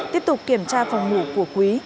tiếp tục kiểm tra phòng ngủ của quý